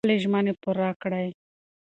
خپلې ژمنې پوره کړئ.